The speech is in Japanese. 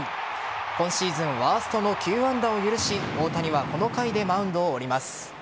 今シーズンワーストの９安打を許し大谷はこの回でマウンドを降ります。